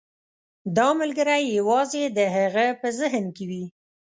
دا ملګری یوازې د هغه په ذهن کې وي.